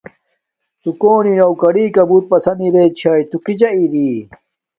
تو کونی نوکاری بوت ہسند اریا یو کیجا اریا؟